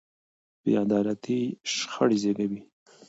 بې عدالتي شخړې زېږوي